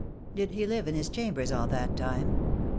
"Did he live in his chambers all that time?"